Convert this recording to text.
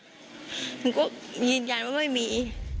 หนูก็ยืนยันว่าไม่มี